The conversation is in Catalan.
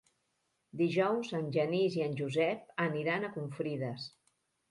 Dijous en Genís i en Josep aniran a Confrides.